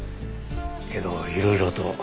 けどいろいろと。